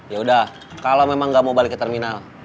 yaudah kalau memang gak mau balik ke terminal